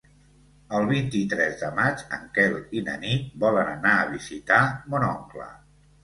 El vint-i-tres de maig en Quel i na Nit volen anar a visitar mon oncle.